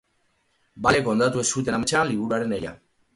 Balek hondatu ez zuten ametsa liburuaren egilea.